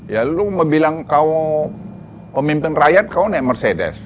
ya lu bilang kau pemimpin rakyat kau naik mercedes